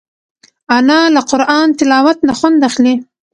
انا له قرآن تلاوت نه خوند اخلي